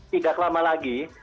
tidak lama lagi